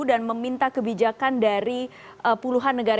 dan meminta kebijakan dari puluhan negara